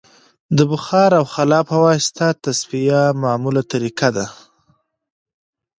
د بخار او خلا په واسطه تصفیه معموله طریقه ده